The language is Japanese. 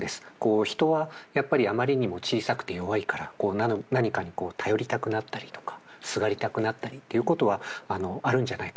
人はやっぱりあまりにも小さくて弱いから何かに頼りたくなったりとかすがりたくなったりということはあるんじゃないかと。